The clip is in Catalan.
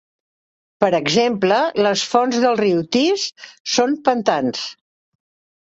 Per exemple, les fonts del riu Tees són pantans.